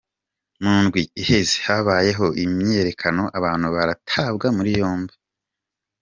Mu ndwi iheze habaye imyiyerekano abantu baratabwa muri yompi.